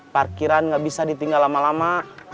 parkiran gak bisa ditinggal lama lama